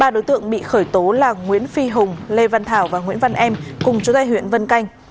ba đối tượng bị khởi tố là nguyễn phi hùng lê văn thảo và nguyễn văn em cùng chú tài huyện vân canh